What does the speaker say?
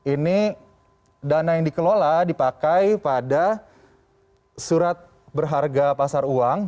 ini dana yang dikelola dipakai pada surat berharga pasar uang